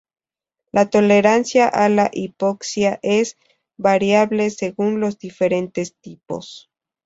La tolerancia a la hipoxia es variable según los diferentes tipos.